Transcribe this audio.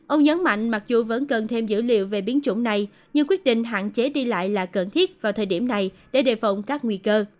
ông nhấn mạnh mặc dù vẫn cần thêm dữ liệu về biến chủng này nhưng quyết định hạn chế đi lại là cần thiết vào thời điểm này để đề phòng các nguy cơ